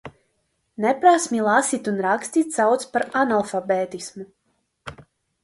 Neprasmi lasīt un rakstīt sauc par analfabētismu.